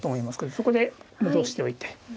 そこで戻しておいて。